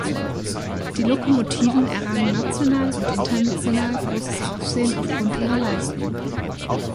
Die Lokomotiven errangen national und international großes Aufsehen auf Grund ihrer Leistung.